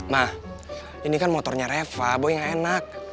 ma ini kan motornya reva boy gak enak